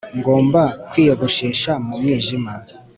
ngomba kwiyogoshesha mu mwijima